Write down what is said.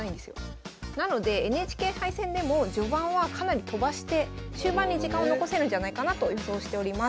なのでＮＨＫ杯戦でも序盤はかなりとばして終盤に時間を残せるんじゃないかなと予想しております。